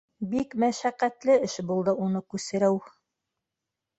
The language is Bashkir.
Бик мәшәҡәтле эш булды уны күсереү.